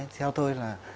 theo tôi là